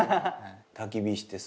たき火してさ。